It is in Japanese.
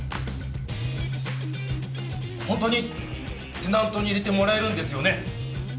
ホントにテナントに入れてもらえるんですよね？